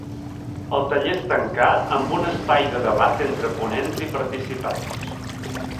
El taller es tancà amb un espai de debat entre ponents i participants.